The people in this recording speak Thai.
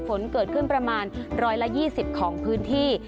ฝนเกิดขึ้นประมาณ๑๒๐ของพื้นที่